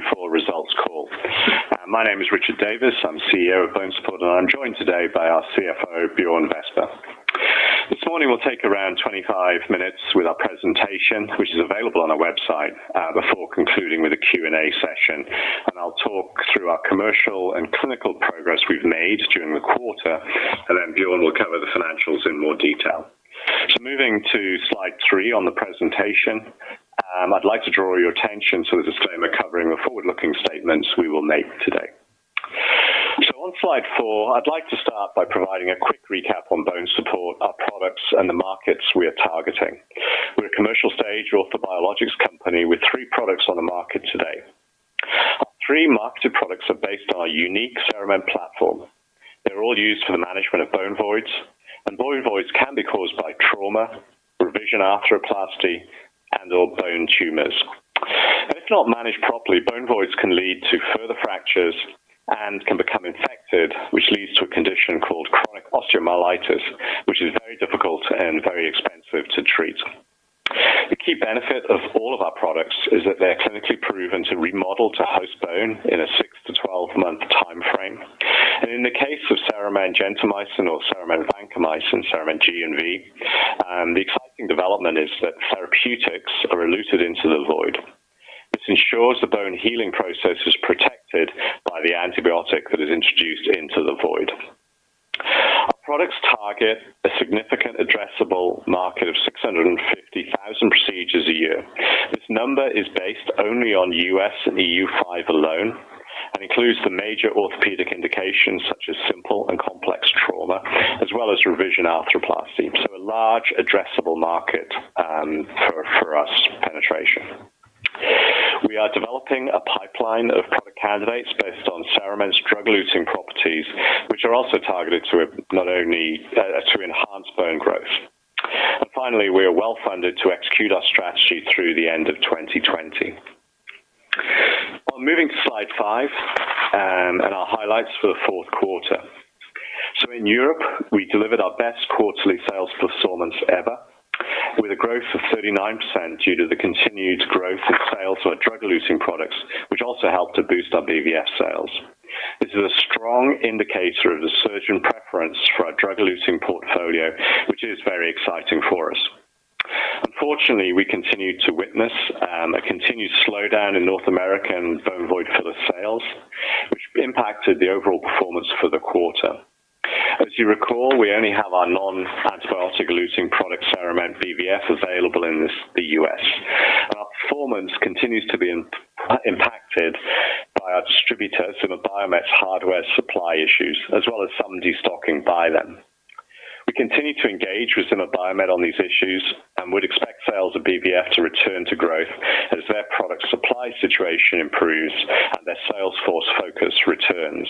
Q4 results call. My name is Richard Davies, I'm CEO of BONESUPPORT, I'm joined today by our CFO, Björn Westberg. This morning, we'll take around 25 minutes with our presentation, which is available on our website, before concluding with a Q&A session. I'll talk through our commercial and clinical progress we've made during the quarter, then Björn will cover the financials in more detail. Moving to slide three on the presentation, I'd like to draw your attention to the disclaimer covering the forward-looking statements we will make today. On slide four, I'd like to start by providing a quick recap on BONESUPPORT, our products, and the markets we are targeting. We're a commercial-stage orthobiologics company with three products on the market today. Our three marketed products are based on our unique CERAMENT platform. They're all used for the management of bone voids. Bone voids can be caused by trauma, revision arthroplasty, and/or bone tumors. If not managed properly, bone voids can lead to further fractures and can become infected, which leads to a condition called chronic osteomyelitis, which is very difficult and very expensive to treat. The key benefit of all of our products is that they're clinically proven to remodel to host bone in a six to 12 month time frame. In the case of CERAMENT G or CERAMENT V, CERAMENT G and V, the exciting development is that therapeutics are eluted into the void. This ensures the bone healing process is protected by the antibiotic that is introduced into the void. Our products target a significant addressable market of 650,000 procedures a year. This number is based only on U.S. and EU5 alone and includes the major orthopedic indications, such as simple and complex trauma, as well as revision arthroplasty. A large addressable market for us penetration. We are developing a pipeline of product candidates based on CERAMENT's drug-eluting properties, which are also targeted to not only to enhance bone growth. Finally, we are well-funded to execute our strategy through the end of 2020. Moving to slide five. Our highlights for the fourth quarter. In Europe, we delivered our best quarterly sales performance ever, with a growth of 39% due to the continued growth in sales of our drug-eluting products, which also helped to boost our BVF sales. This is a strong indicator of the surgeon preference for our drug-eluting portfolio, which is very exciting for us. Unfortunately, we continued to witness a continued slowdown in North American bone void filler sales, which impacted the overall performance for the quarter. As you recall, we only have our non-antibiotic-eluting product, CERAMENT BVF, available in the U.S. Our performance continues to be impacted by our distributor, Zimmer Biomet's hardware supply issues, as well as some destocking by them. We continue to engage with Zimmer Biomet on these issues and would expect sales of BVF to return to growth as their product supply situation improves and their sales force focus returns.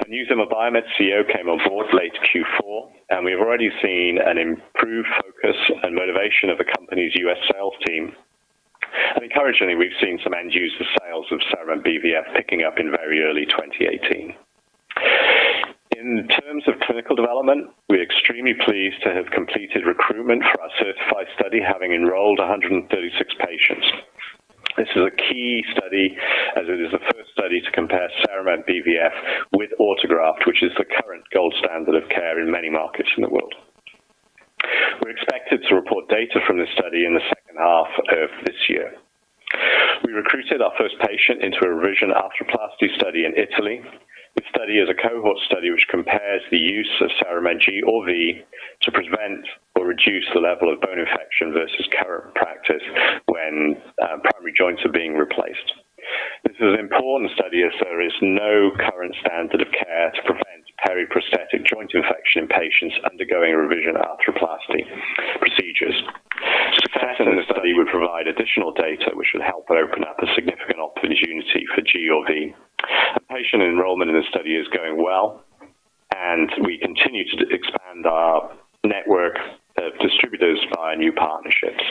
A new Zimmer Biomet CEO came on board late Q4, we've already seen an improved focus and motivation of the company's U.S. sales team. Encouragingly, we've seen some end-user sales of CERAMENT BVF picking up in very early 2018. In terms of clinical development, we're extremely pleased to have completed recruitment for our CERTiFy study, having enrolled 136 patients. This is a key study, as it is the first study to compare CERAMENT BVF with autograft, which is the current gold standard of care in many markets in the world. We're expected to report data from this study in the second half of this year. We recruited our first patient into a revision arthroplasty study in Italy. This study is a cohort study which compares the use of CERAMENT G or V to prevent or reduce the level of bone infection versus current practice when primary joints are being replaced. This is an important study as there is no current standard of care to prevent periprosthetic joint infection in patients undergoing revision arthroplasty procedures. Success in the study would provide additional data, which would help open up a significant opportunity for G or V. A patient enrollment in this study is going well, and we continue to expand our network of distributors via new partnerships.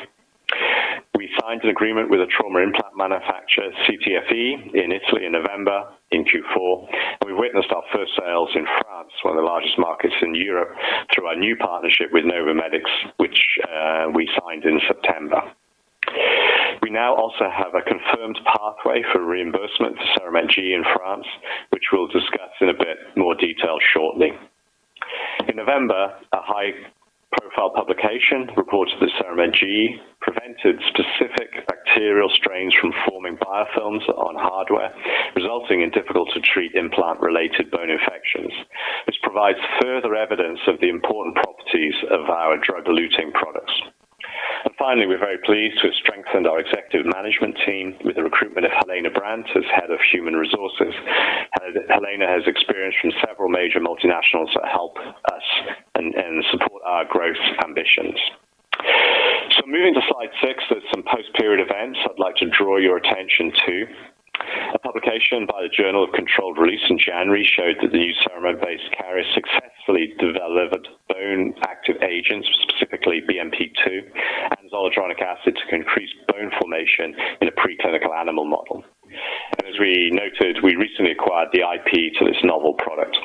We signed an agreement with a trauma implant manufacturer, CITIEFFE, in Italy in November in Q4, and we've witnessed our first sales in France, one of the largest markets in Europe, through our new partnership with Novomedics, which we signed in September. We now also have a confirmed pathway for reimbursement for CERAMENT G in France, which we'll discuss in a bit more detail shortly. In November, a high-profile publication reported that CERAMENT G prevented specific bacterial strains from forming biofilms on hardware, resulting in difficult-to-treat implant-related bone infections, which provides further evidence of the important properties of our drug-eluting products. Finally, we're very pleased to have strengthened our executive management team with the recruitment of Helena Brandt as Head of Human Resources. Helena has experience from several major multinationals that help us and support our growth ambitions. Moving to slide six, there's some post-period events I'd like to draw your attention to. A publication by the Journal of Controlled Release in January showed that the new CERAMENT-based carrier successfully delivered bone active agents, specifically BMP-2 and zoledronic acid, to increase bone formation in a preclinical animal model. As we noted, we recently acquired the IP to this novel product.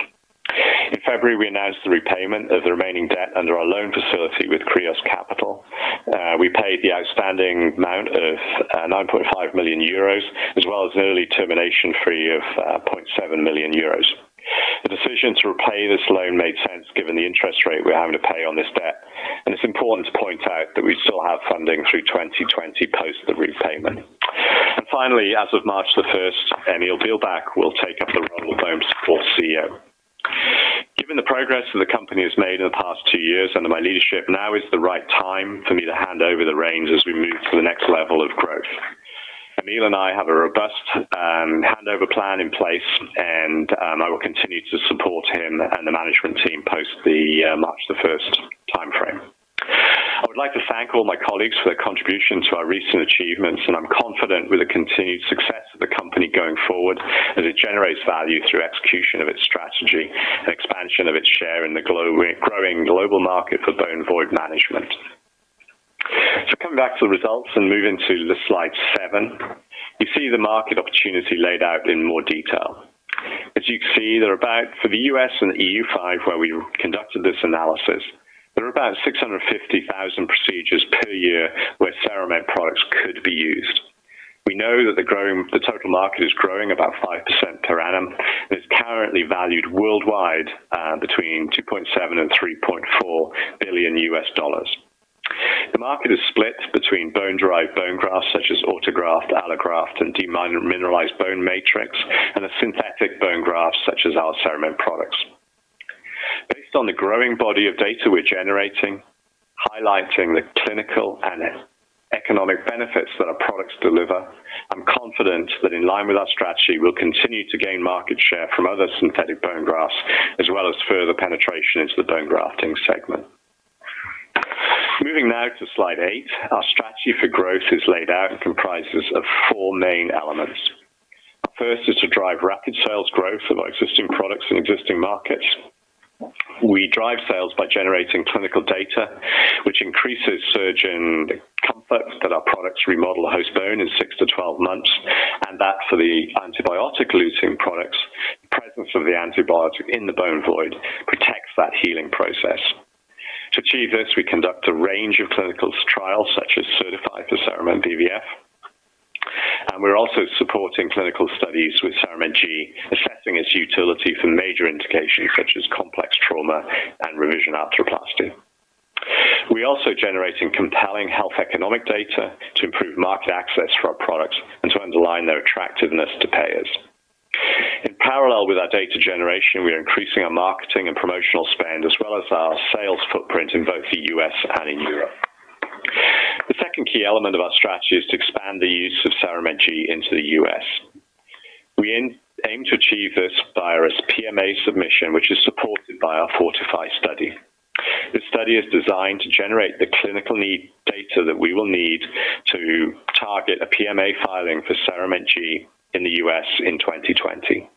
February, we announced the repayment of the remaining debt under our loan facility with Kreos Capital. We paid the outstanding amount of 9.5 million euros, as well as an early termination fee of 0.7 million euros. The decision to repay this loan made sense, given the interest rate we're having to pay on this debt, and it's important to point out that we still have funding through 2020 post the repayment. Finally, as of March 1st, Emil Billbäck will take up the role of BONESUPPORT CEO. Given the progress that the company has made in the past two years under my leadership, now is the right time for me to hand over the reins as we move to the next level of growth. Emil and I have a robust handover plan in place, and I will continue to support him and the management team post the March the first timeframe. I would like to thank all my colleagues for their contributions to our recent achievements, and I'm confident with the continued success of the company going forward, as it generates value through execution of its strategy and expansion of its share in the growing global market for bone void management. Coming back to the results and moving to slide seven, you see the market opportunity laid out in more detail. As you can see, there are about, for the U.S. and EU5, where we conducted this analysis, there are about 650,000 procedures per year where CERAMENT products could be used. We know that the total market is growing about 5% per annum, and it's currently valued worldwide between $2.7 billion and $3.4 billion. The market is split between bone-derived bone grafts, such as autograft, allograft, and demineralized bone matrix, and the synthetic bone grafts, such as our CERAMENT products. Based on the growing body of data we're generating, highlighting the clinical and economic benefits that our products deliver, I'm confident that in line with our strategy, we'll continue to gain market share from other synthetic bone grafts, as well as further penetration into the bone grafting segment. Moving now to slide eight, our strategy for growth is laid out and comprises of four main elements. First is to drive rapid sales growth of our existing products in existing markets. We drive sales by generating clinical data, which increases surgeon comfort that our products remodel host bone in six to 12 months, and that for the antibiotic-releasing products, presence of the antibiotic in the bone void protects that healing process. To achieve this, we conduct a range of clinical trials, such as CERTiFy for CERAMENT BVF. We're also supporting clinical studies with CERAMENT G, assessing its utility for major indications such as complex trauma and revision arthroplasty. We're also generating compelling health economic data to improve market access for our products and to underline their attractiveness to payers. In parallel with our data generation, we are increasing our marketing and promotional spend, as well as our sales footprint in both the U.S. and in Europe. The second key element of our strategy is to expand the use of CERAMENT G into the U.S. We aim to achieve this via a PMA submission, which is supported by our FORTIFY study. This study is designed to generate the clinical need data that we will need to target a PMA filing for CERAMENT G in the U.S. in 2020.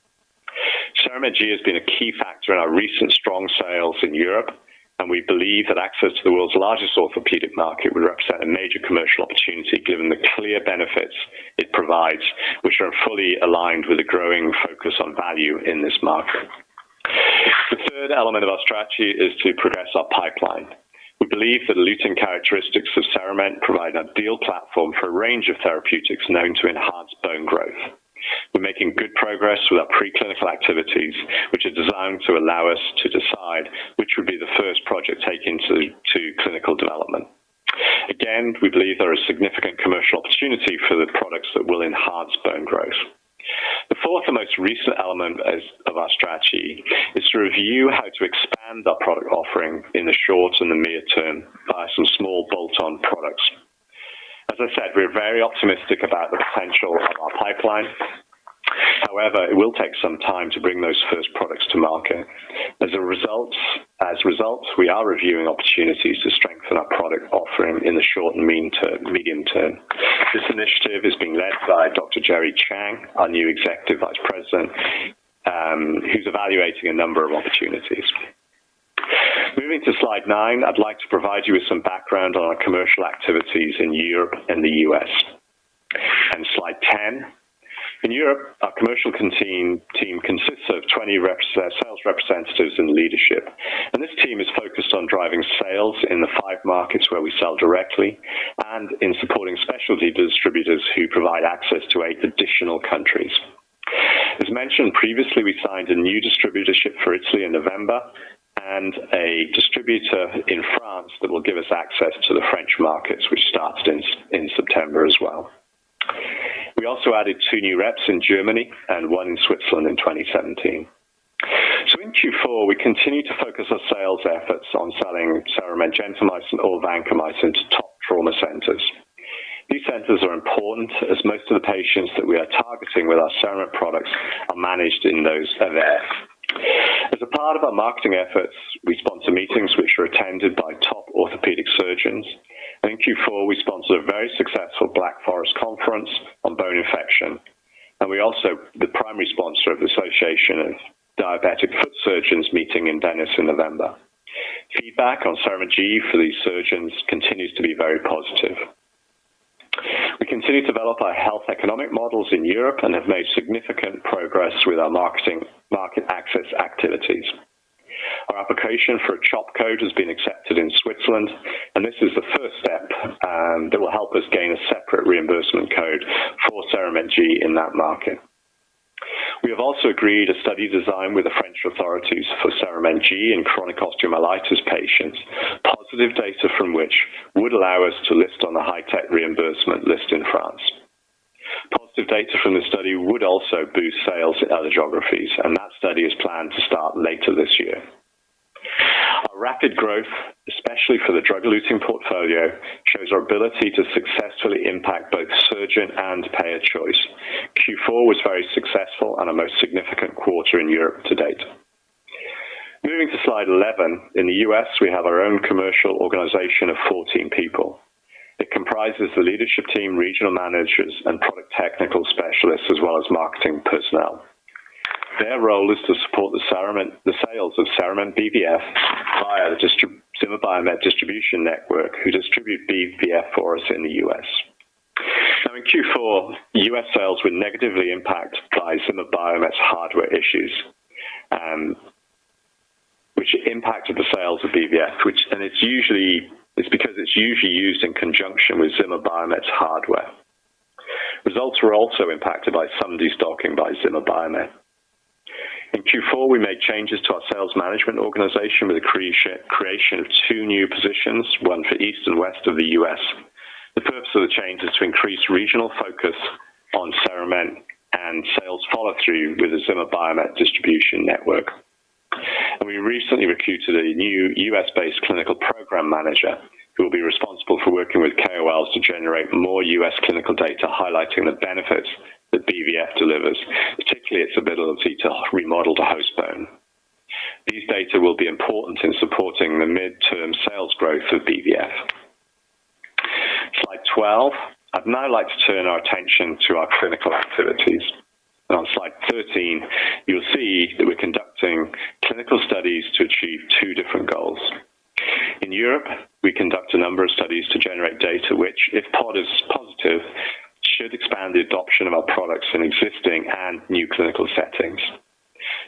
CERAMENT G has been a key factor in our recent strong sales in Europe. We believe that access to the world's largest orthopedic market would represent a major commercial opportunity, given the clear benefits it provides, which are fully aligned with the growing focus on value in this market. The third element of our strategy is to progress our pipeline. We believe that the eluting characteristics of CERAMENT provide an ideal platform for a range of therapeutics known to enhance bone growth. We're making good progress with our preclinical activities, which are designed to allow us to decide which would be the first project taken to clinical development. We believe there is significant commercial opportunity for the products that will enhance bone growth. The fourth and most recent element of our strategy is to review how to expand our product offering in the short and the mid term by some small bolt-on products. As I said, we're very optimistic about the potential of our pipeline. However, it will take some time to bring those first products to market. As a result, we are reviewing opportunities to strengthen our product offering in the short and medium term. This initiative is being led by Dr. Jerry Chang, our new Executive Vice President, who's evaluating a number of opportunities. Moving to slide nine, I'd like to provide you with some background on our commercial activities in Europe and the U.S. Slide 10. In Europe, our commercial team consists of 20 reps, sales representatives and leadership. This team is focused on driving sales in the five markets where we sell directly and in supporting specialty distributors who provide access to eigh additional countries. As mentioned previously, we signed a new distributorship for Italy in November and a distributor in France that will give us access to the French markets, which started in September as well. We also added two new reps in Germany and one in Switzerland in 2017. In Q4, we continued to focus our sales efforts on selling CERAMENT gentamicin or vancomycin to top trauma centers. These centers are important as most of the patients that we are targeting with our CERAMENT products are managed in those FMF. As a part of our marketing efforts, we sponsor meetings which are attended by top orthopedic surgeons, and in Q4, we sponsored a very successful Black Forest Conference on bone infection. We're also the primary sponsor of the Association of Diabetic Foot Surgeons meeting in Venice in November. Feedback on CERAMENT G for these surgeons continues to be very positive. We continue to develop our health economic models in Europe and have made significant progress with our marketing, market access activities. Our application for a CHOP code has been accepted in Switzerland, and this is the first step that will help us gain a separate reimbursement code for CERAMENT G in that market. We have also agreed a study design with the French authorities for CERAMENT G in chronic osteomyelitis patients. Positive data from which would allow us to list on the high-tech reimbursement list in France. Positive data from the study would also boost sales in other geographies, and that study is planned to start later this year. Our rapid growth, especially for the drug-eluting portfolio, shows our ability to successfully impact both surgeon and payer choice. Q4 was very successful and a most significant quarter in Europe to date. Moving to slide 11. In the U.S., we have our own commercial organization of 14 people. It comprises the leadership team, regional managers, and product technical specialists, as well as marketing personnel. Their role is to support the sales of CERAMENT BVF via the Zimmer Biomet distribution network, who distribute BVF for us in the U.S. In Q4, U.S. sales were negatively impacted by Zimmer Biomet's hardware issues, which impacted the sales of BVF, it's because it's usually used in conjunction with Zimmer Biomet's hardware. Results were also impacted by some destocking by Zimmer Biomet. In Q4, we made changes to our sales management organization with the creation of two new positions, one for east and west of the U.S. The purpose of the change is to increase regional focus on CERAMENT and sales follow-through with the Zimmer Biomet distribution network. We recently recruited a new U.S.-based clinical program manager, who will be responsible for working with KOLs to generate more U.S. clinical data, highlighting the benefits that BVF delivers, particularly its ability to remodel the host bone. These data will be important in supporting the mid-term sales growth of BVF. Slide 12. I'd now like to turn our attention to our clinical activities. On slide 13, you'll see that we're conducting clinical studies to achieve two different goals. In Europe, we conduct a number of studies to generate data which, if part is positive, should expand the adoption of our products in existing and new clinical settings.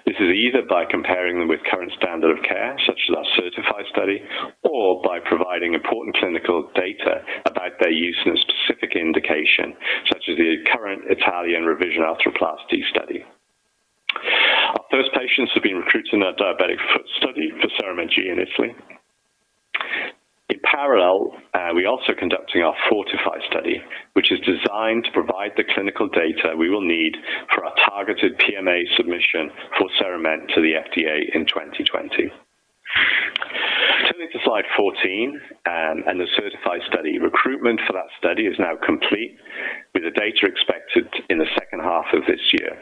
This is either by comparing them with current standard of care, such as our CERTiFy study, or by providing important clinical data about their use in a specific indication, such as the current Italian revision arthroplasty study. Our first patients have been recruited in our diabetic foot study for CERAMENT G in Italy. We're also conducting our FORTIFY study, which is designed to provide the clinical data we will need for our targeted PMA submission for CERAMENT to the FDA in 2020. Turning to slide 14, the CERTiFy study. Recruitment for that study is now complete, with the data expected in the second half of this year.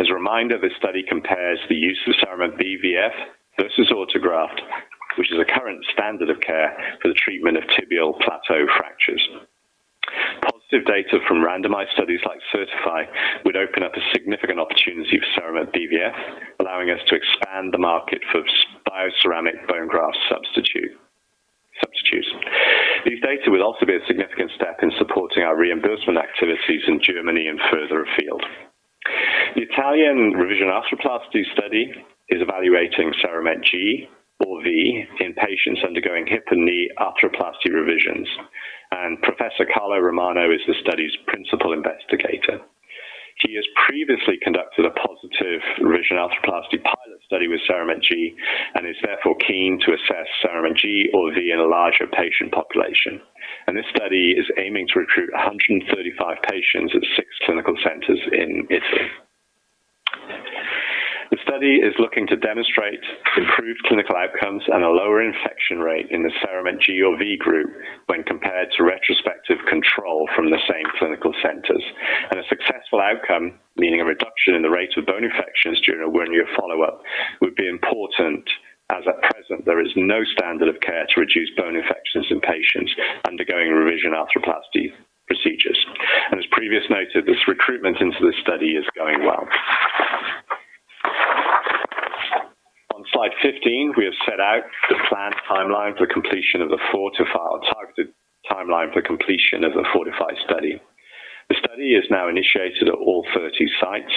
As a reminder, this study compares the use of CERAMENT BVF versus autograft, which is a current standard of care for the treatment of tibial plateau fractures. Positive data from randomized studies like CERTiFy would open up a significant opportunity for CERAMENT BVF, allowing us to expand the market for bioceramic bone graft substitutes. These data will also be a significant step in supporting our reimbursement activities in Germany and further afield. The Italian revision arthroplasty study is evaluating CERAMENT G or V in patients undergoing hip and knee arthroplasty revisions. Professor Carlo Luca Romanò is the study's principal investigator. He has previously conducted a positive revision arthroplasty pilot study with CERAMENT G and is therefore keen to assess CERAMENT G or V in a larger patient population. This study is aiming to recruit 135 patients at six clinical centers in Italy. The study is looking to demonstrate improved clinical outcomes and a lower infection rate in the CERAMENT G or V group when compared to retrospective control from the same clinical centers. A successful outcome, meaning a reduction in the rate of bone infections during a one-year follow-up, would be important, as at present, there is no standard of care to reduce bone infections in patients undergoing revision arthroplasty procedures. As previously noted, this recruitment into this study is going well. On slide 15, we have set out the planned timeline for completion of our targeted timeline for completion of the FORTIFY study. The study is now initiated at all 30 sites.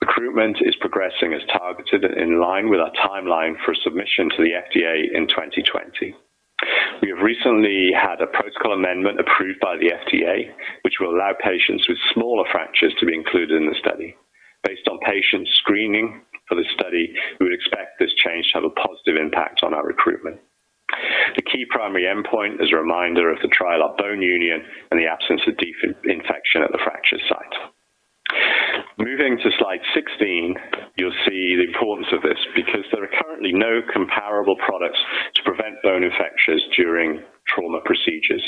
Recruitment is progressing as targeted and in line with our timeline for submission to the FDA in 2020. We have recently had a protocol amendment approved by the FDA, which will allow patients with smaller fractures to be included in the study. Based on patient screening for the study, we would expect this change to have a positive impact on our recruitment. The key primary endpoint is a reminder of the trial of bone union and the absence of infection at the fracture site. Moving to slide 16, you'll see the importance of this, because there are currently no comparable products to prevent bone infections during trauma procedures.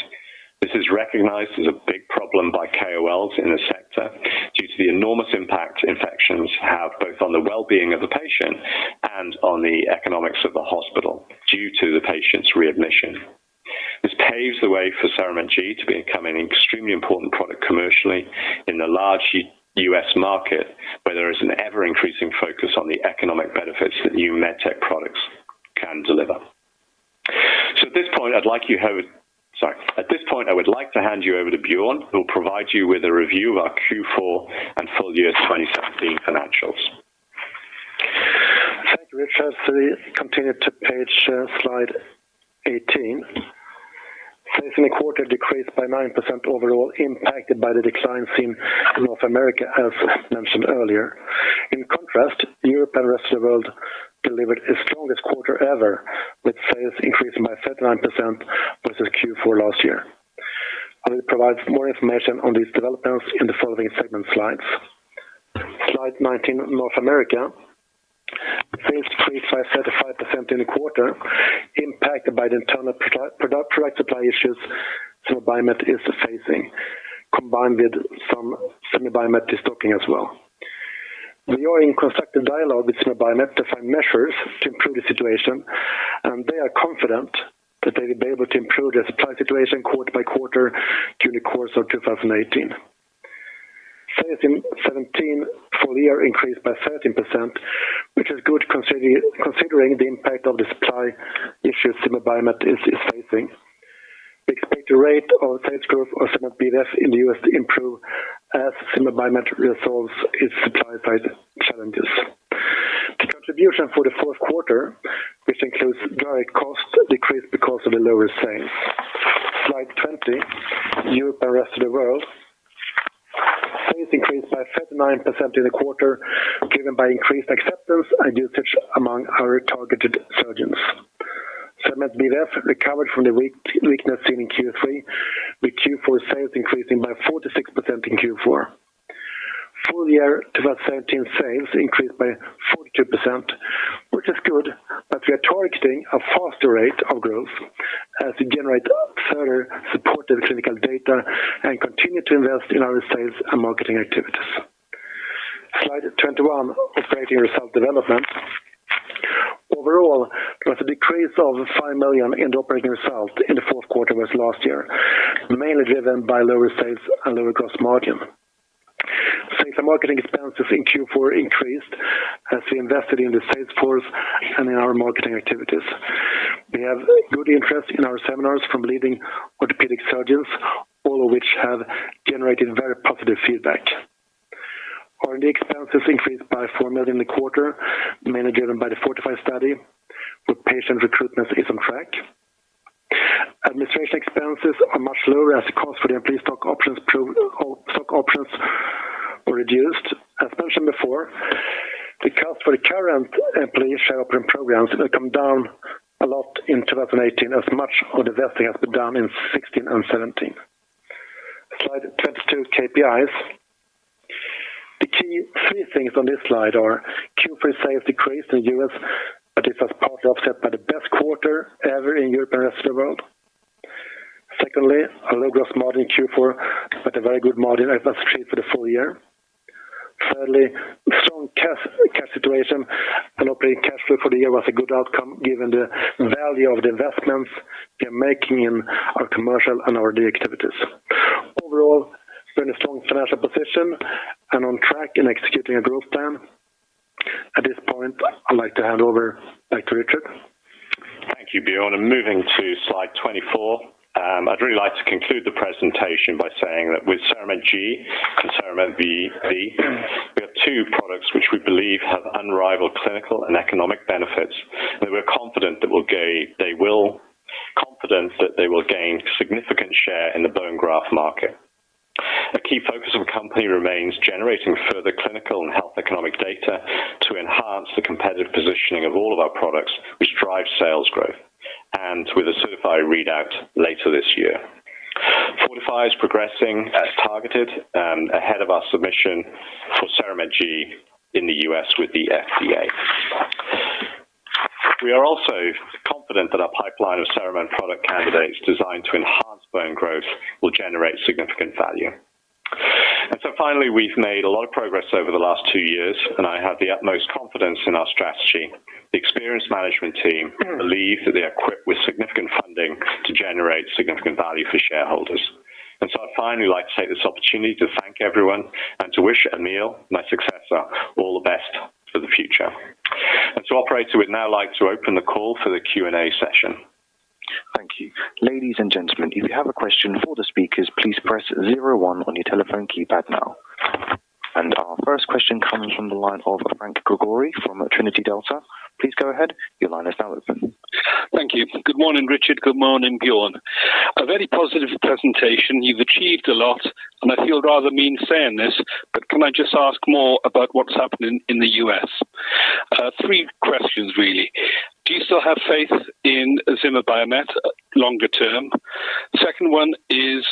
This is recognized as a big problem by KOLs in the sector, due to the enormous impact infections have, both on the well-being of the patient and on the economics of the hospital, due to the patient's readmission. This paves the way for CERAMENT G to become an extremely important product commercially in the large U.S. market, where there is an ever-increasing focus on the economic benefits that new medtech products can deliver. At this point, I would like to hand you over to Björn, who will provide you with a review of our Q4 and full year 2017 financials. Thank you, Richard. Continue to page slide 18. Sales in the quarter decreased by 9% overall, impacted by the declines in North America, as mentioned earlier. In contrast, Europe and the rest of the world delivered its strongest quarter ever, with sales increasing by 39% versus Q4 last year. I will provide more information on these developments in the following segment slides. Slide 19, North America. Sales decreased by 35% in the quarter, impacted by the internal product supply issues Zimmer Biomet is facing, combined with some Zimmer Biomet restocking as well. We are in constructive dialogue with Zimmer Biomet to find measures to improve the situation, and they are confident that they will be able to improve their supply situation quarter by quarter through the course of 2018. Sales in 2017 full year increased by 13%, which is good considering the impact of the supply issues Zimmer Biomet is facing. We expect the rate of sales growth of CERAMENT BVF in the U.S. to improve as Zimmer Biomet resolves its supply side challenges. The contribution for the fourth quarter, which includes direct costs, decreased because of the lower sales. Slide 20, Europe and rest of the world. Sales increased by 39% in the quarter, driven by increased acceptance and usage among our targeted surgeons. CERAMENT BVF recovered from the weakness seen in Q3, with Q4 sales increasing by 46% in Q4. Full year 2017 sales increased by 42%, which is good. We are targeting a faster rate of growth as we generate further supportive clinical data and continue to invest in our sales and marketing activities. Slide 21, operating result development. Overall, there was a decrease of 5 million in the operating result in the fourth quarter versus last year, mainly driven by lower sales and lower gross margin. Sales and marketing expenses in Q4 increased as we invested in the sales force and in our marketing activities. We have good interest in our seminars from leading orthopedic surgeons, all of which have generated very positive feedback. R&D expenses increased by 4 million in the quarter, mainly driven by the FORTIFY study, where patient recruitment is on track. Administration expenses are much lower as the cost for the employee stock options stock options were reduced. As mentioned before, the cost for the current employee share option programs will come down a lot in 2018, as much of the vesting has been done in 2016 and 2017. Slide 22, KPIs. The key three things on this slide are: Q4 sales decreased in the U.S., but this was partly offset by the best quarter ever in Europe and rest of the world. Secondly, a low gross margin in Q4, but a very good margin as achieved for the full year. Thirdly, strong cash situation and operating cash flow for the year was a good outcome, given the value of the investments we are making in our commercial and R&D activities. Overall, we're in a strong financial position and on track in executing our growth plan. At this point, I'd like to hand over back to Richard. Thank you, Björn. Moving to slide 24, I'd really like to conclude the presentation by saying that with CERAMENT G and CERAMENT BVF, we have two products which we believe have unrivaled clinical and economic benefits, and we're confident that they will gain significant share in the bone graft market. A key focus of the company remains generating further clinical and health economic data to enhance the competitive positioning of all of our products, which drives sales growth. With a CERTiFy readout later this year, FORTIFY is progressing as targeted and ahead of our submission for CERAMENT G in the U.S. with the FDA. We are also confident that our pipeline of CERAMENT product candidates designed to enhance bone growth will generate significant value. Finally, we've made a lot of progress over the last two years, and I have the utmost confidence in our strategy. The experienced management team believe that they are equipped with significant funding to generate significant value for shareholders. I'd finally like to take this opportunity to thank everyone and to wish Emil, my successor, all the best for the future. Operator, we'd now like to open the call for the Q&A session. Thank you. Ladies and gentlemen, if you have a question for the speakers, please press 01 on your telephone keypad now. Our first question comes from the line of Franc Gregori from Trinity Delta. Please go ahead. Your line is now open. Thank you. Good morning, Richard. Good morning, Björn. A very positive presentation. You've achieved a lot, and I feel rather mean saying this, but can I just ask more about what's happening in the U.S.? three questions, really. Do you still have faith in Zimmer Biomet longer term? Second one is,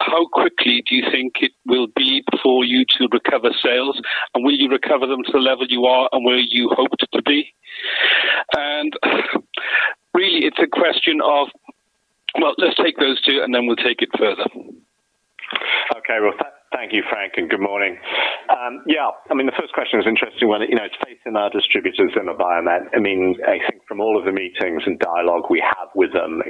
how quickly do you think it will be before you two recover sales, and will you recover them to the level you are and where you hoped to be? Well, let's take those two, and then we'll take it further. Okay. Well, thank you, Frank, and good morning. Yeah, I mean, the first question is interesting, when it, you know, it's faith in our distributors, Zimmer Biomet. I mean, I think from all of the meetings and dialogue we have with them,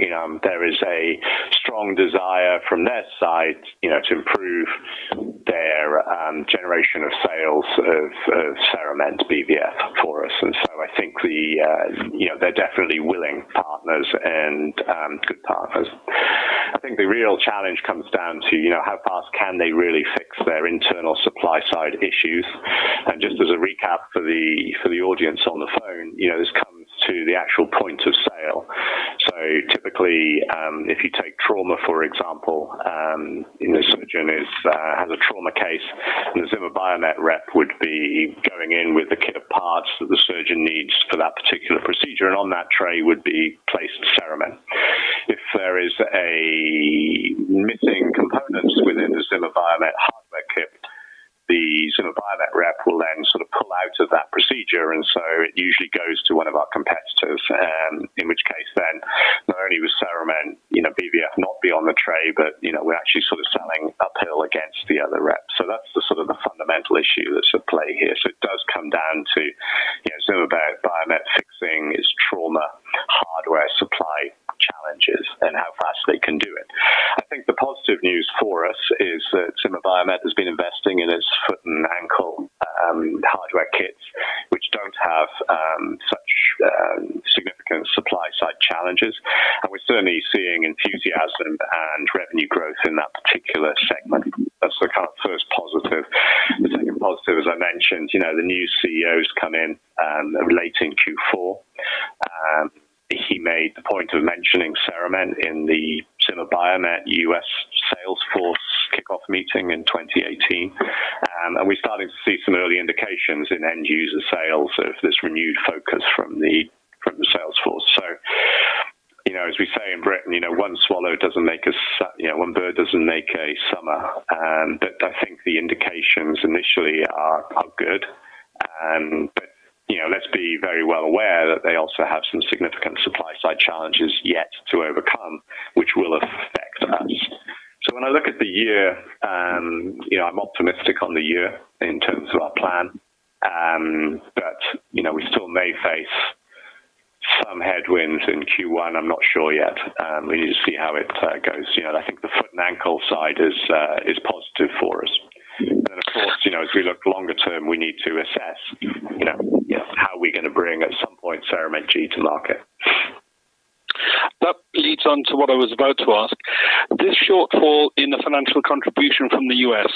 there is a strong desire from their side, you know, to of CERAMENT BVF for us. I think the, you know, they're definitely willing partners and good partners. I think the real challenge comes down to, you know, how fast can they really fix their internal supply side issues? Just as a recap for the, for the audience on the phone, you know, this comes to the actual point of sale. Typically, if you take trauma, for example, you know, the surgeon is, has a trauma case, and the Zimmer Biomet rep would be going in with a kit of parts that the surgeon needs for that particular procedure, and on that tray would be placed CERAMENT. If there is a missing components within the Zimmer Biomet hardware kit, the Zimmer Biomet rep will then sort of pull out of that procedure, and so it usually goes to one of our competitors, in which case then not only was CERAMENT, you know, BVF not be on the tray, but, you know, we're actually sort of selling uphill against the other reps. That's the sort of the fundamental issue that's at play here. It does come down to, you know, Zimmer Biomet fixing its trauma, hardware supply challenges, and how fast they can do it. I think the positive news for us is that Zimmer Biomet has been investing in its foot and ankle hardware kits, which don't have such significant supply side challenges. We're certainly seeing enthusiasm and revenue growth in that particular segment. That's the kind of first positive. The second positive, as I mentioned, you know, the new CEO's come in late in Q4. He made the point of mentioning CERAMENT in the Zimmer Biomet U.S. sales force kickoff meeting in 2018. We're starting to see some early indications in end user sales of this renewed focus from the sales force. You know, as we say in Britain, you know, one swallow doesn't make a you know, one bird doesn't make a summer. I think the indications initially are good. You know, let's be very well aware that they also have some significant supply side challenges yet to overcome, which will affect us. When I look at the year, you know, I'm optimistic on the year in terms of our plan, but, you know, we still may face some headwinds in Q1. I'm not sure yet. We need to see how it goes. You know, I think the foot and ankle side is positive for us. Of course, you know, as we look longer term, we need to assess, you know, how are we gonna bring, at some point, CERAMENT G to market. That leads on to what I was about to ask. This shortfall in the financial contribution from the U.S.,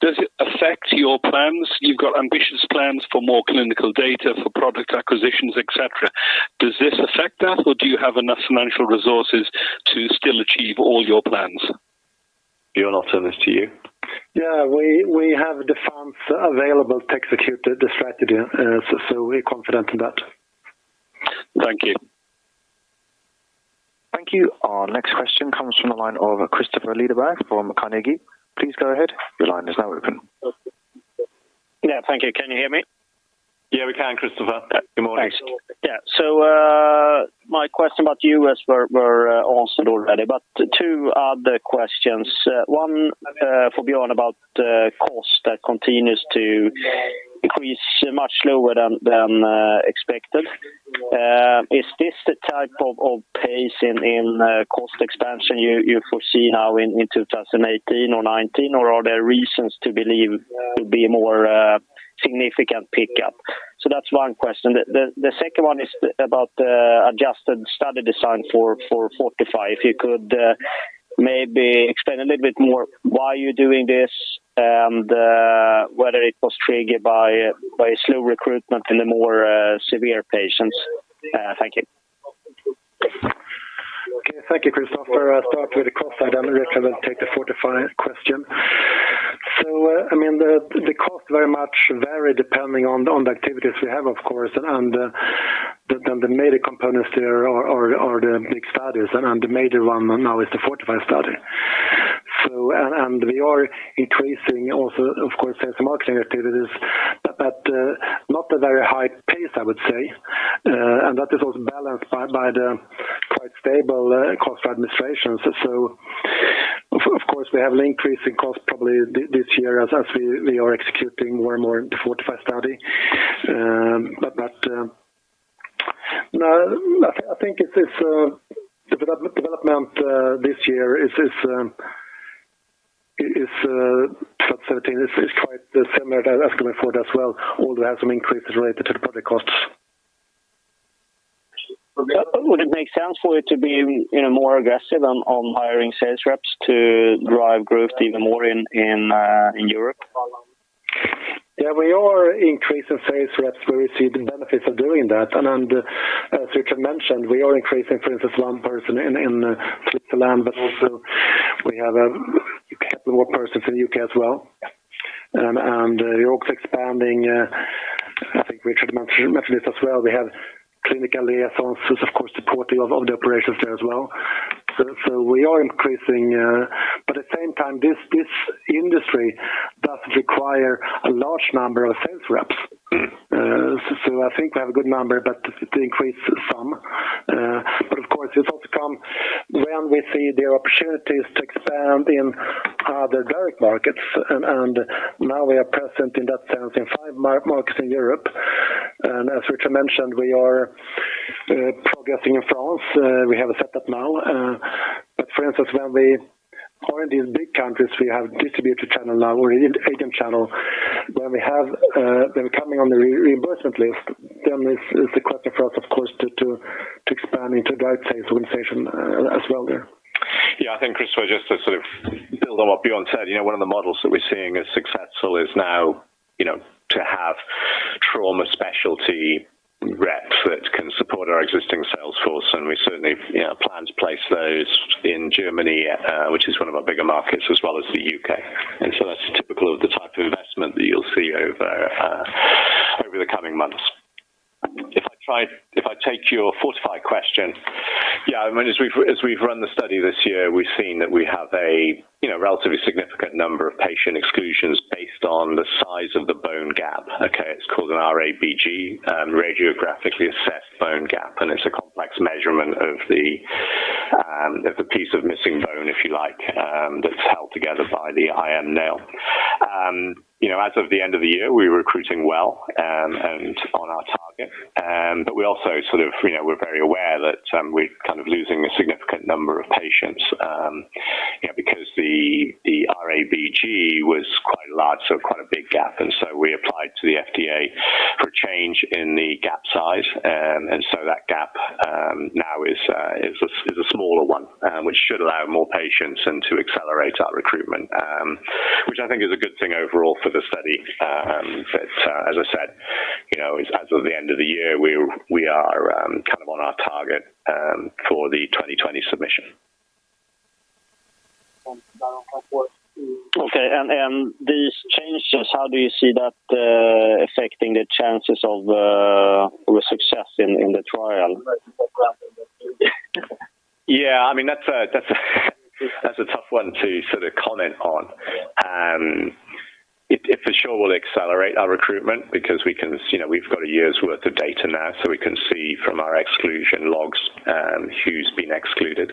does it affect your plans? You've got ambitious plans for more clinical data, for product acquisitions, et cetera. Does this affect that, or do you have enough financial resources to still achieve all your plans? Björn, I'll turn this to you. Yeah, we have the funds available to execute the strategy, so we're confident in that. Thank you. Thank you. Our next question comes from the line of Kristofer Liljeberg from Carnegie. Please go ahead. Your line is now open. Thank you. Can you hear me? Yeah, we can, Kristofer. Good morning. Thanks. Yeah. My question about U.S. were answered already, but two other questions. One for Björn about the cost that continues to increase much lower than expected. Is this the type of pace in cost expansion you foresee now in 2018 or 2019, or are there reasons to believe it will be more significant pickup? That's one question. The second one is about the adjusted study design for FORTIFY. If you could maybe explain a little bit more why you're doing this and whether it was triggered by slow recruitment in the more severe patients. Thank you. Okay. Thank you, Kristofer. I'll start with the cost side and then Richard Davies will take the FORTIFY question. I mean, the cost very much vary depending on the activities we have, of course, and the major components there are the big studies, and the major one now is the FORTIFY study. We are increasing also, of course, sales and marketing activities, but not a very high pace, I would say. That is also balanced by the quite stable cost administrations. Of course, we have an increase in cost probably this year as we are executing more and more into FORTIFY study. No, I think it is development this year is +17% is quite similar to as coming forward as well, although we have some increases related to the public costs. Would it make sense for it to be, you know, more aggressive on hiring sales reps to drive growth even more in Europe? We are increasing sales reps. We're receiving benefits of doing that. As Richard mentioned, we are increasing, for instance, one person in Switzerland, but also we have a couple more persons in the U.K. as well. We're also expanding, I think Richard mentioned this as well. We have clinical liaisons who's of course supporting of the operations there as well. We are increasing, but at the same time, this industry doesn't require a large number of sales reps. I think we have a good number, but it increases some. Of course, it also come when we see there are opportunities to expand in other direct markets, and now we are present in that sense in five markets in Europe. As Richard mentioned, we are progressing in France. We have a setup now for instance, when we are in these big countries, we have distributed channel now or agent channel, when we have them coming on the reimbursement list, then is the question for us, of course, to expand into direct sales organization as well there. Yeah, I think, Kristofer, just to sort of build on what Björn said, you know, one of the models that we're seeing as successful is now, you know, to have trauma specialty reps that can support our existing sales force, we certainly, you know, plan to place those in Germany, which is one of our bigger markets, as well as the U.K. So that's typical of the type of investment that you'll see over the coming months. If I take your FORTIFY question. Yeah, I mean, as we've run the study this year, we've seen that we have a, you know, relatively significant number of patient exclusions based on the size of the bone gap, okay? It's called an RABG, radiographically assessed bone gap, and it's a complex measurement of the piece of missing bone, if you like, that's held together by the IM nail. You know, as of the end of the year, we're recruiting well, and on our target. We also sort of, you know, we're very aware that we're kind of losing a significant number of patients, you know, because the RABG was quite large, so quite a big gap. We applied to the FDA for a change in the gap size. That gap now is a smaller one, which should allow more patients and to accelerate our recruitment, which I think is a good thing overall for the study. As I said, you know, as of the end of the year, we are kind of on our target for the 2020 submission. Okay, these changes, how do you see that affecting the chances of the success in the trial? Yeah, I mean, that's a tough one to sort of comment on. It for sure will accelerate our recruitment. You know, we've got a year's worth of data now, so we can see from our exclusion logs, who's been excluded.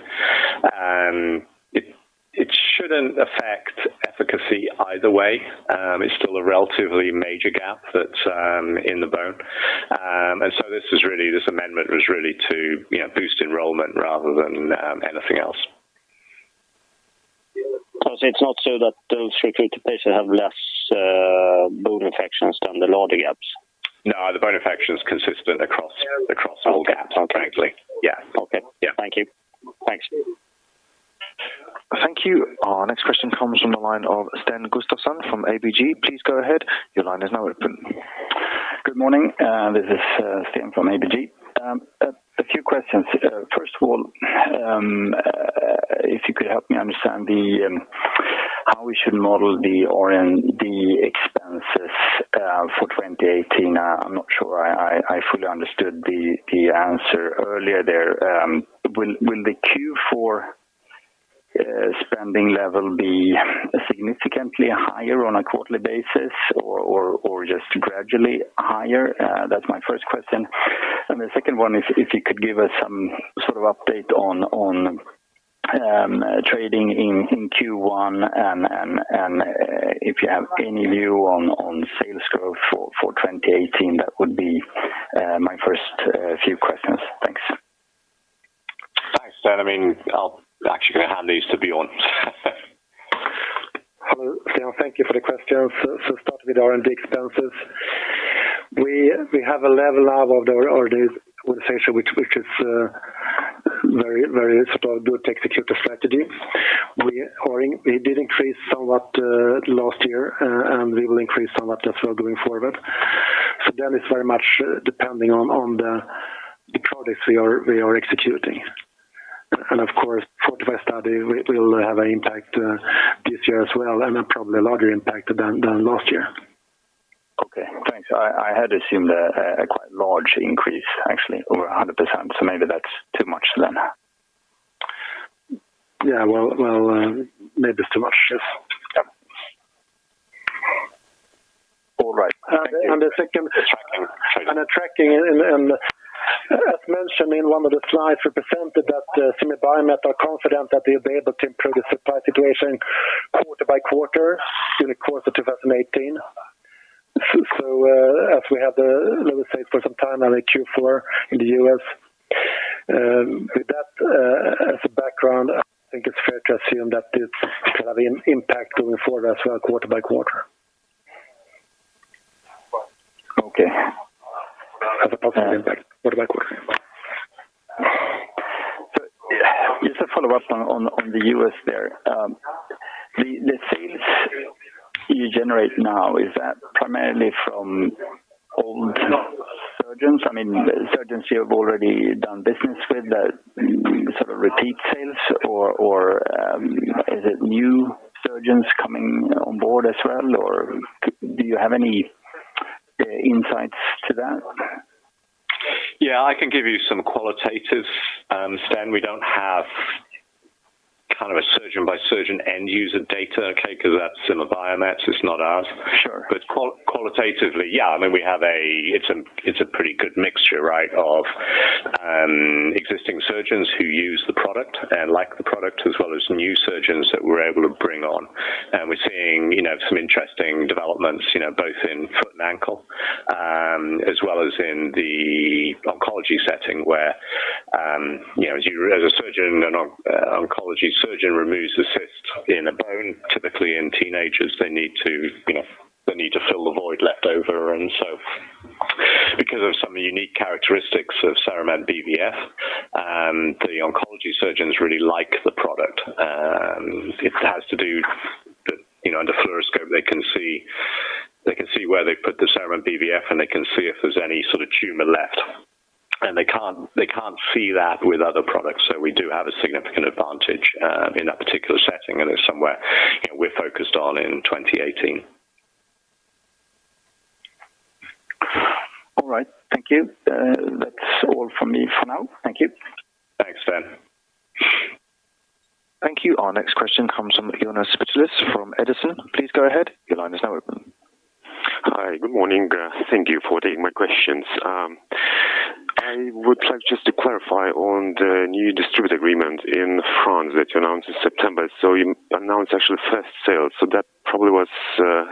It shouldn't affect efficacy either way. It's still a relatively major gap that in the bone. This amendment was really to, you know, boost enrollment rather than anything else. It's not so that those recruited patients have less bone infections than the larger gaps? No, the bone infection is consistent across all gaps, frankly. Okay. Yeah. Okay. Yeah. Thank you. Thanks. Thank you. Our next question comes from the line of Sten Gustafsson from ABG. Please go ahead. Your line is now open. Good morning, this is Sten from ABG. A few questions. First of all, if you could help me understand the how we should model the R&D expenses for 2018. I'm not sure I fully understood the answer earlier there. Will the Q4 spending level be significantly higher on a quarterly basis or just gradually higher? That's my first question. The second one is, if you could give us some sort of update on trading in Q1 and if you have any view on sales growth for 2018, that would be my first few questions. Thanks. Thanks, Sten. I mean, I'll actually going to hand these to Björn. Hello, thank you for the questions. Start with R&D expenses. We have a level now of the R&D organization, which is very to execute the strategy. We did increase somewhat last year, and we will increase somewhat as well going forward. It's very much depending on the products we are executing. Of course, FORTIFY study will have an impact this year as well, and probably a larger impact than last year. Okay, thanks. I had assumed a, a quite large increase, actually, over 100%, so maybe that's too much then. Yeah, well, maybe it's too much. Yeah. All right. The second- Thank you. Attracting and as mentioned in one of the slides, we presented that Zimmer Biomet are confident that they'll be able to improve the supply situation quarter by quarter in the course of 2018. As we have the, let me say, for some time now, Q4 in the U.S. With that, as a background, I think it's fair to assume that this will have an impact moving forward as well, quarter-by-quarter. Okay. As a positive impact, quarter by quarter. Just a follow-up on the U.S. there. The sales you generate now, is that primarily from old surgeons? I mean, surgeons you have already done business with, that sort of repeat sales or is it new surgeons coming on board as well, or do you have any insights to that? Yeah, I can give you some qualitative, Sten. We don't have kind of a surgeon by surgeon end user data, okay? That's Zimmer Biomet, it's not ours. Sure. Qualitatively, yeah, I mean, we have a It's a pretty good mixture, right, of existing surgeons who use the product and like the product, as well as new surgeons that we're able to bring on. We're seeing, you know, some interesting developments, you know, both in foot and ankle. As well as in the oncology setting, where, you know, as you, as a surgeon, an oncology surgeon removes the cyst in a bone, typically in teenagers, they need to, you know, they need to fill the void left over. Because of some unique characteristics of CERAMENT BVF, the oncology surgeons really like the product. It has to do, you know, under fluoroscope, they can see where they put the CERAMENT BVF, and they can see if there's any sort of tumor left. They can't see that with other products. We do have a significant advantage in that particular setting, and it's somewhere, you know, we're focused on in 2018. All right. Thank you. That's all from me for now. Thank you. Thanks, Sten. Thank you. Our next question comes from Jonas Peciulis from Edison. Please go ahead. Your line is now open. Hi, good morning. Thank you for taking my questions. I would like just to clarify on the new distributor agreement in France that you announced in September. You announced actually first sales, so that probably was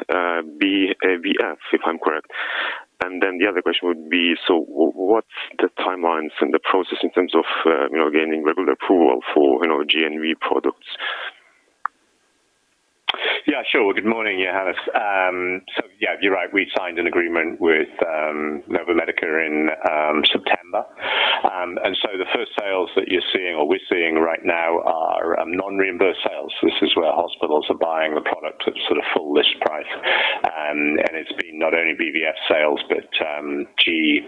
a BVF, if I'm correct. The other question would be, what's the timelines and the process in terms of, you know, gaining regular approval for, you know, GNV products? Yeah, sure. Good morning, Jonas. Yeah, you're right. We signed an agreement with Novomedics in September. The first sales that you're seeing, or we're seeing right now are non-reimbursed sales. This is where hospitals are buying the product at sort of full list price. It's been not only BVF sales, but G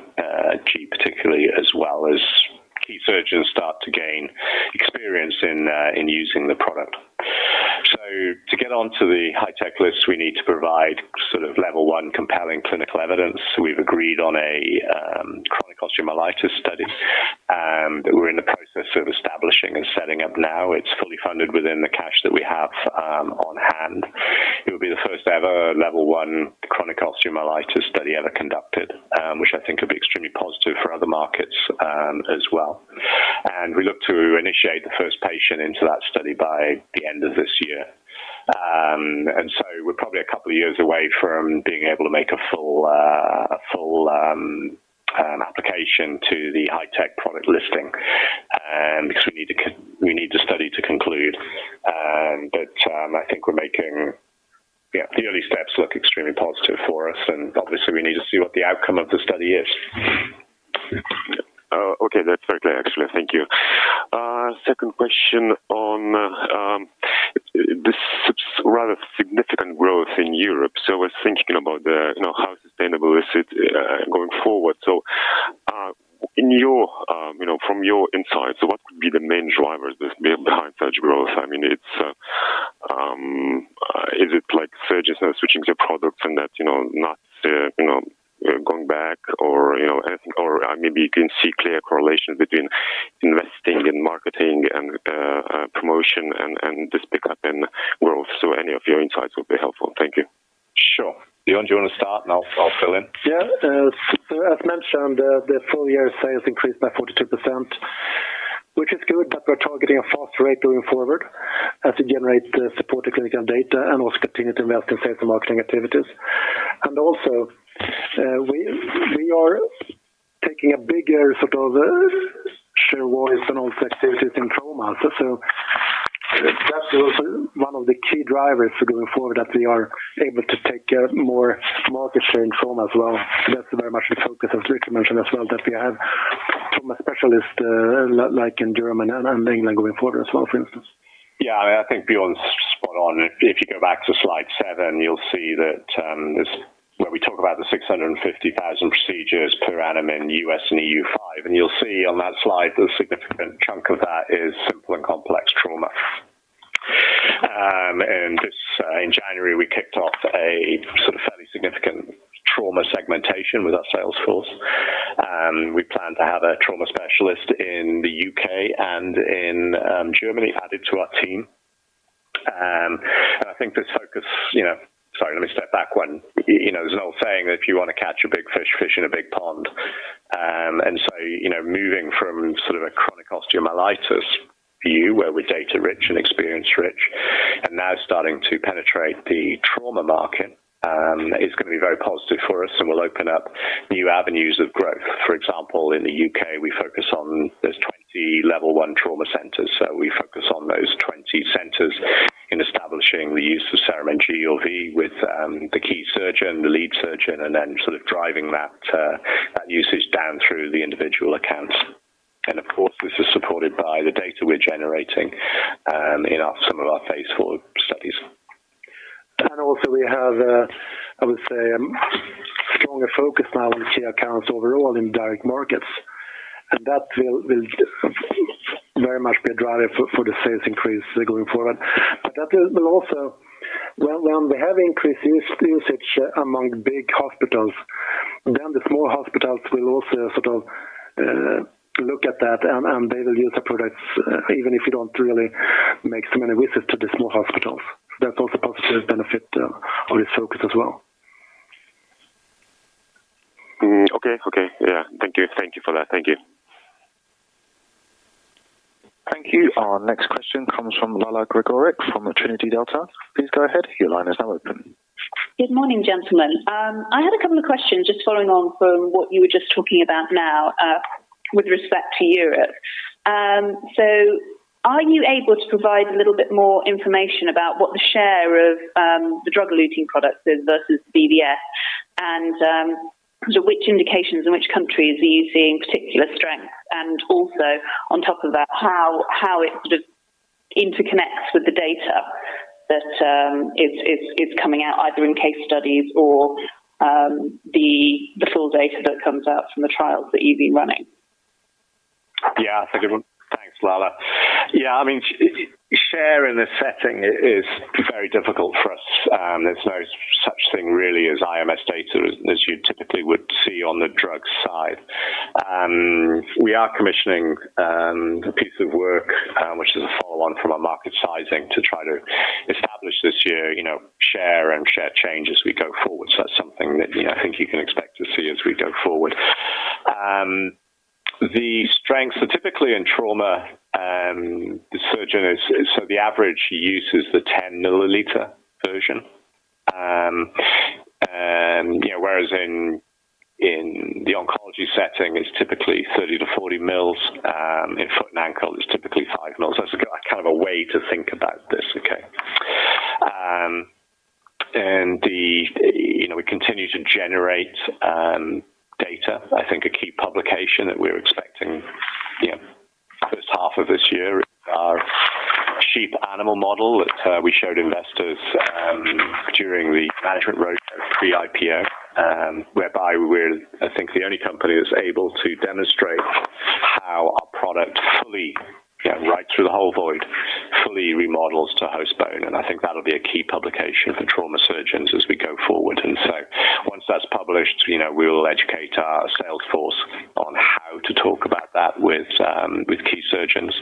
particularly, as well as key surgeons start to gain experience in using the product. To get onto the high tech list, we need to provide sort of level 1 compelling clinical evidence. We've agreed on a chronic osteomyelitis study that we're in the process of establishing and setting up now. It's fully funded within the cash that we have on hand. It will be the first-ever level 1 chronic osteomyelitis study ever conducted, which I think will be extremely positive for other markets as well. We look to initiate the first patient into that study by the end of this year. So we're probably a couple of years away from being able to make a full, a full application to the high tech product listing, because we need the study to conclude. I think we're making, yeah, the early steps look extremely positive for us, and obviously we need to see what the outcome of the study is. Okay, that's fair play, actually. Thank you. Second question on this rather significant growth in Europe. I was thinking about the, you know, how sustainable is it going forward? In your, you know, from your insights, what could be the main drivers this behind such growth? I mean, it's, is it like surgeons are switching their products and that, you know, not, you know, going back or, you know, or maybe you can see clear correlation between investing in marketing and promotion and this pickup in growth. Any of your insights would be helpful. Thank you. Sure. Björn, do you want to start and I'll fill in? Yeah. As mentioned, the full year sales increased by 42%, which is good, but we're targeting a faster rate going forward as we generate the support clinical data and also continue to invest in sales and marketing activities. Also, we are taking a bigger sort of share voice and also activities in trauma. That's one of the key drivers for going forward, that we are able to take care of more market share in trauma as well. That's very much the focus, as Rick mentioned as well, that we have trauma specialists, like in Germany and England going forward as well, for instance. Yeah, I think Björn's spot on. If you go back to slide seven, you'll see that where we talk about the 650,000 procedures per annum in U.S. and EU5, and you'll see on that slide, the significant chunk of that is simple and complex trauma. This in January, we kicked off a sort of fairly significant trauma segmentation with our sales force. We plan to have a trauma specialist in the U.K. and in Germany added to our team. I think this focus, you know, sorry, let me step back one. You know, there's an old saying that if you want to catch a big fish in a big pond. You know, moving from sort of a chronic osteomyelitis view, where we're data rich and experience rich, and now starting to penetrate the trauma market, is going to be very positive for us and will open up new avenues of growth. For example, in the U.K., we focus on those 20 level 1 trauma centers. We focus on those 20 centers in establishing the use of CERAMENT G or V with the key surgeon, the lead surgeon, and then sort of driving that usage down through the individual accounts. Of course, this is supported by the data we're generating in our, some of our phase IV studies. Also we have, I would say, a stronger focus now on key accounts overall in direct markets, and that will very much be a driver for the sales increase going forward. That will also, well, when we have increased usage among big hospitals, then the small hospitals will also sort of look at that, and they will use the products even if you don't really make so many visits to the small hospitals. That's also a positive benefit of this focus as well. Okay. Okay. Yeah. Thank you. Thank you for that. Thank you. Our next question comes from Lala Gregorek from Trinity Delta. Please go ahead. Your line is now open. Good morning, gentlemen. I had a couple of questions just following on from what you were just talking about now with respect to Europe. Are you able to provide a little bit more information about what the share of the drug-eluting products is versus BVF? Which indications in which countries are you seeing particular strength, and also on top of that, how it sort of interconnects with the data that is coming out, either in case studies or the full data that comes out from the trials that you've been running? Thank you. Thanks, Lala. I mean, share in this setting is very difficult for us. There's no such thing really as IMS data as you typically would see on the drug side. We are commissioning a piece of work, which is a follow on from our market sizing, to try to establish this year, you know, share and share change as we go forward. That's something that, you know, I think you can expect to see as we go forward. The strengths are typically in trauma, the surgeon, so the average he uses the 10 mL version. Yeah, whereas in the oncology setting, it's typically 30 mL to 40 mL, in foot and ankle, it's typically 5 mL. That's kind of a way to think about this, okay. The, you know, we continue to generate data. I think a key publication that we're expecting, yeah, first half of this year is our sheep animal model that we showed investors during the management roadshow, pre-IPO, whereby we're, I think, the only company that's able to demonstrate how our product fully, yeah, right through the whole void, fully remodels to host bone. I think that'll be a key publication for trauma surgeons as we go forward. Once that's published, you know, we'll educate our sales force on how to talk about that with key surgeons.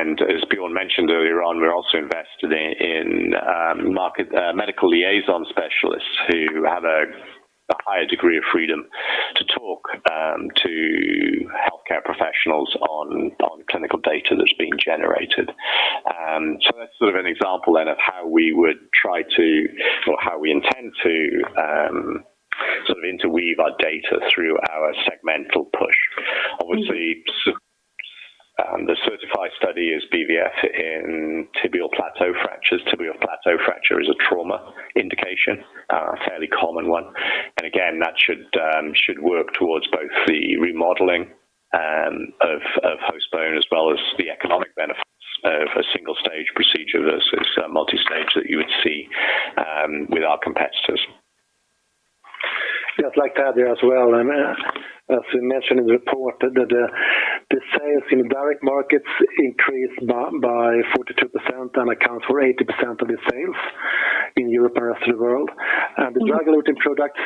As Björn mentioned earlier on, we're also invested in market medical liaison specialists who have a higher degree of freedom to talk to healthcare professionals on clinical data that's being generated. So that's sort of an example then of how we would try to or how we intend to sort of interweave our data through our segmental push. Obviously, the CERTiFy study is BVF in tibial plateau fractures. Tibial plateau fracture is a trauma indication, a fairly common one. Again, that should work towards both the remodeling of host bone, as well as the economic benefits of a single-stage procedure versus a multi-stage that you would see with our competitors. Just like that there as well. As we mentioned in the report, the sales in direct markets increased by 42% and accounts for 80% of the sales in Europe and the rest of the world. The drug-eluting products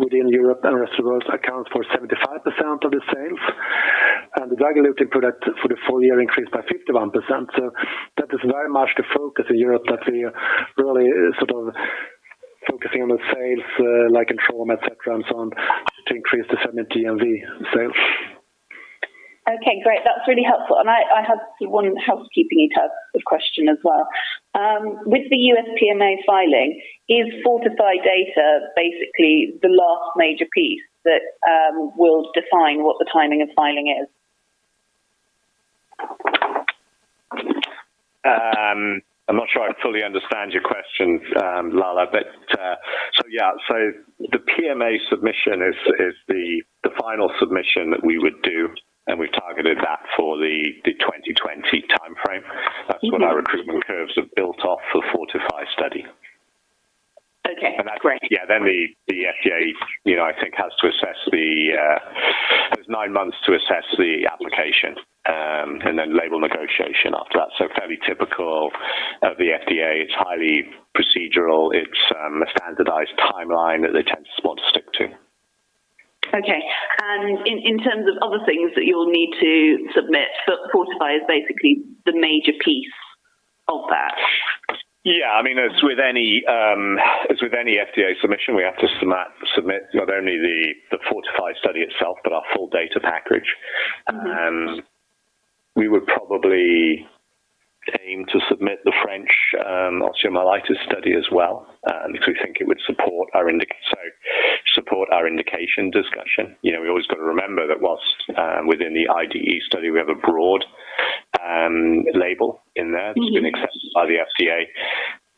within Europe and rest of the world accounts for 75% of the sales. The drug-eluting product for the full year increased by 51%. That is very much the focus in Europe, that we are really sort of focusing on the sales like in trauma, et cetera, and so on, to increase the segment DBM. Okay, great. That's really helpful. I have one housekeeping type of question as well. With the U.S. PMA filing, is FORTIFY data basically the last major piece that will define what the timing of filing is? I'm not sure I fully understand your question, Lala. The PMA submission is the final submission that we would do, and we've targeted that for the 2020 timeframe. Mm-hmm. That's what our recruitment curves have built off for FORTIFY study. Okay, great. Yeah, the FDA, you know, I think, has to assess the, there's nine months to assess the application, and then label negotiation after that. Fairly typical of the FDA. It's highly procedural. It's a standardized timeline that they tend to want to stick to. Okay. In, in terms of other things that you'll need to submit, but FORTIFY is basically the major piece of that? Yeah. I mean, as with any FDA submission, we have to submit not only the FORTIFY study itself, but our full data package. Mm-hmm. We would probably aim to submit the French osteomyelitis study as well, because we think it would support our indication discussion. You know, we've always got to remember that whilst within the IDE study, we have a broad label in there. Mm-hmm... that's been accepted by the FDA.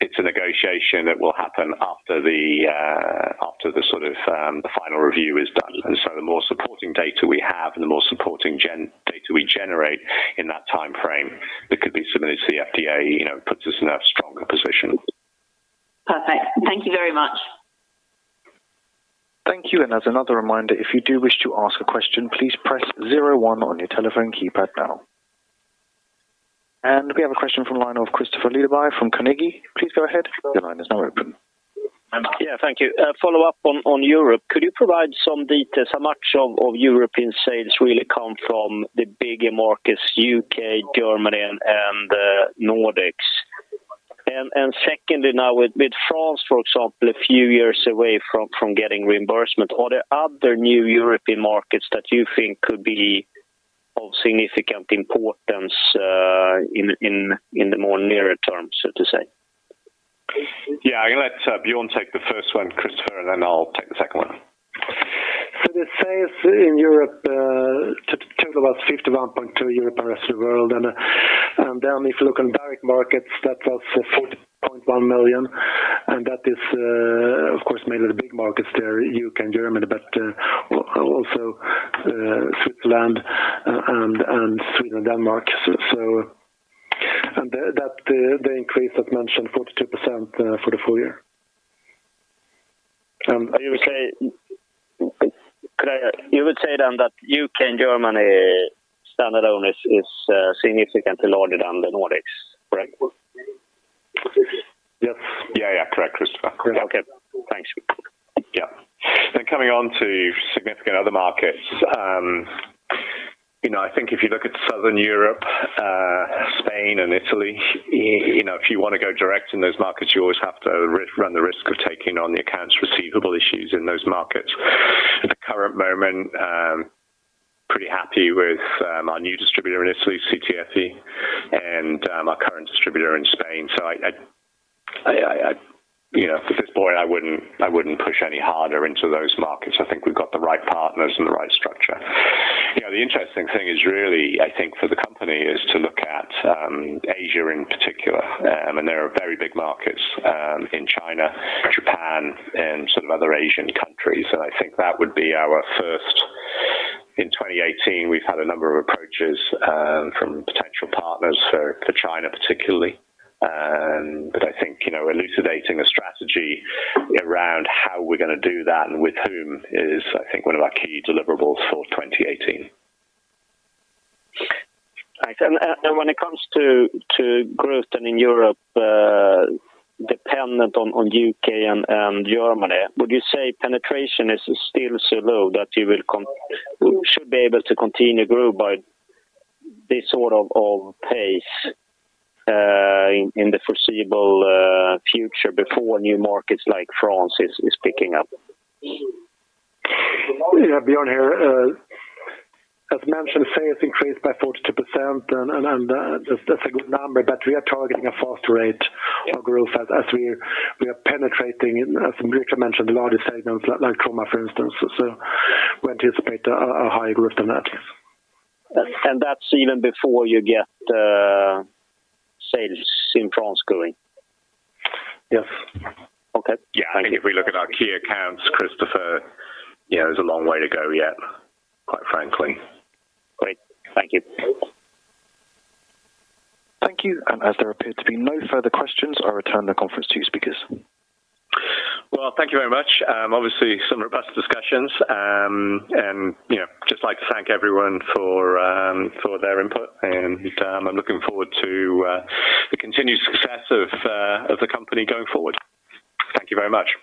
It's a negotiation that will happen after the sort of the final review is done. The more supporting data we have and the more supporting data we generate in that timeframe, that could be submitted to the FDA, you know, puts us in a stronger position. Perfect. Thank you very much. Thank you. As another reminder, if you do wish to ask a question, please press zero one on your telephone keypad now. We have a question from the line of Kristofer Liljeberg from Carnegie. Please go ahead. Your line is now open. Yeah, thank you. Follow up on Europe. Could you provide some details, how much of European sales really come from the bigger markets, U.K., Germany, and Nordics? Secondly, now with France, for example, a few years away from getting reimbursement, are there other new European markets that you think could be of significant importance in the more nearer term, so to say? Yeah, I'm going to let Björn take the first one, Kristofer, and then I'll take the second one. The sales in Europe total was 51.2 million Europe and rest of the world. Then if you look on direct markets, that was 40.1 million, and that is, of course, mainly the big markets there, U.K. and Germany, also Switzerland and Sweden and Denmark. The increase that mentioned 42% for the full year. You would say, you would say then that U.K. and Germany stand alone is significantly larger than the Nordics, correct? Yes. Yeah, yeah. Correct, Kristofer. Okay, thanks. Coming on to significant other markets, you know, I think if you look at Southern Europe, Spain and Italy, you know, if you want to go direct in those markets, you always have to run the risk of taking on the accounts receivable issues in those markets. At the current moment, pretty happy with our new distributor in Italy, CTFE, and our current distributor in Spain. I, you know, at this point, I wouldn't, I wouldn't push any harder into those markets. I think we've got the right partners and the right structure. You know, the interesting thing is really, I think, for the in the company, is to look at Asia in particular. There are very big markets in China, Japan, and some other Asian countries. I think that would be our first. In 2018, we've had a number of approaches from potential partners for China, particularly. I think, you know, elucidating a strategy around how we're going to do that and with whom is, I think, one of our key deliverables for 2018. Right. When it comes to growth and in Europe, dependent on U.K. and Germany, would you say penetration is still so low that you will should be able to continue to grow by this sort of pace in the foreseeable future before new markets like France is picking up? Björn here. As mentioned, sales increased by 42%, and that's a good number, but we are targeting a faster rate of growth as we are penetrating, as Richard mentioned, larger segments like trauma, for instance. We anticipate a higher growth than that. That's even before you get, sales in France going? Yes. Okay. Yeah. I think if we look at our key accounts, Kristofer, you know, there's a long way to go yet, quite frankly. Great. Thank you. Thank you. As there appear to be no further questions, I'll return the conference to you speakers. Well, thank you very much. Obviously, some robust discussions. You know, just like to thank everyone for their input, and I'm looking forward to the continued success of the company going forward. Thank you very much.